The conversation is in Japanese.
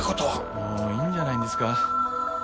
もういいんじゃないんですか？